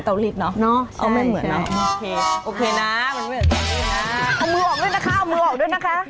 ที่ทำให้เสื้อผ้ารีด